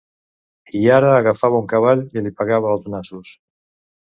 I ara agafava un cavall i li pegava als nassos.